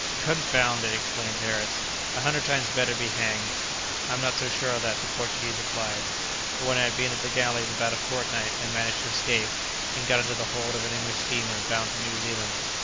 "Confound it!" exclaimed Harris, "a hundred times better be hanged!" "I'm not so sure of that," the Portuguese replied, "for when I had been at the galleys about a fortnight I managed to escape, and got into the hold of an English steamer bound for New Zealand.